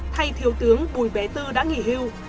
thay thiếu tướng bùi bé tư đã nghỉ hưu